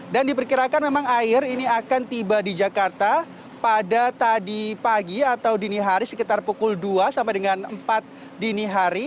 dan diperkirakan memang air ini akan tiba di jakarta pada tadi pagi atau dini hari sekitar pukul dua sampai dengan empat dini hari